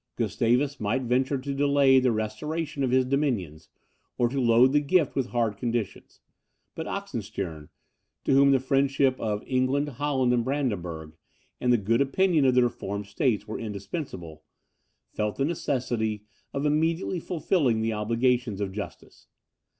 Gustavus might venture to delay the restoration of his dominions, or to load the gift with hard conditions; but Oxenstiern, to whom the friendship of England, Holland, and Brandenburg, and the good opinion of the Reformed States were indispensable, felt the necessity of immediately fulfilling the obligations of justice.